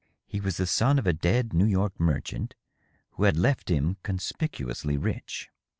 He was the son of a dead New York merchant who had left him conspicu ously rich.